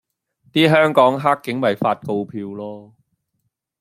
啲香港克警咪發告票囉